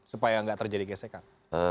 supaya tidak terjadi gesekan